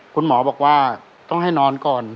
คุณหมอบอกว่าต้องให้นอนก่อน